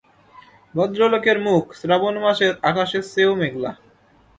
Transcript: ভদ্রলোকের মুখ শ্রাবণ মাসের আকাশের চেয়েও মেঘলা।